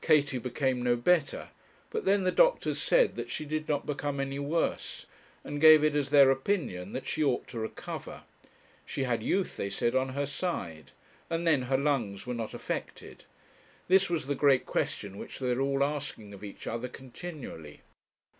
Katie became no better; but then the doctors said that she did not become any worse, and gave it as their opinion that she ought to recover. She had youth, they said, on her side; and then her lungs were not affected. This was the great question which they were all asking of each other continually.